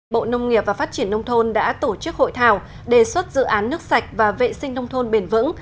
bộ nông nghiệp và phát triển nông thôn đã tổ chức hội thảo đề xuất dự án nước sạch và vệ sinh nông thôn bền vững